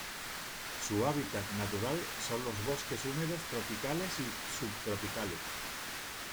Su hábitat natural son los bosques húmedos tropicales y subtropicales.